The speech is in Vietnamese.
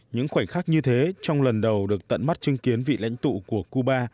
những khoảnh khắc như thế trong lần đầu được tận mắt chứng kiến vị lãnh tụ của cuba